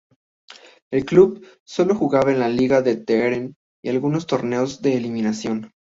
El club sólo jugaba en la Liga de Teherán y algunos torneos de eliminación.